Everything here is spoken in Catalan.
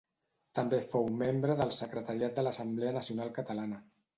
També fou membre del secretariat de l'Assemblea Nacional Catalana.